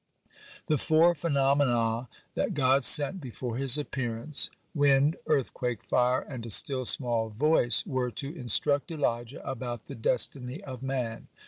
(28) The four phenomena that God sent before His appearance wind, (29) earthquake, fire, and a still small voice were to instruct Elijah about the destiny of man.